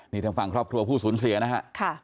นี่ทางฝั่งครอบครัวผู้สูญเสียนะฮะ